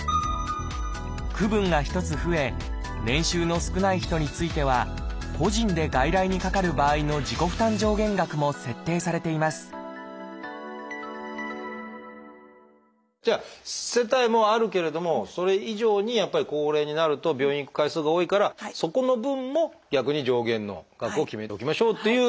区分が１つ増え年収の少ない人については個人で外来にかかる場合の自己負担上限額も設定されていますじゃあ世帯もあるけれどもそれ以上にやっぱり高齢になると病院に行く回数が多いからそこの分も逆に上限の額を決めておきましょうという。